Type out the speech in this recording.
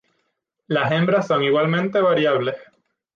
Las hembras son igualmente variables.